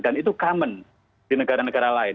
dan itu common di negara negara lain